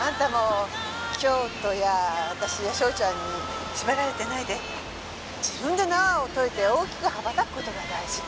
あんたも京都や私や章ちゃんに縛られてないで自分で縄を解いて大きく羽ばたく事が大事。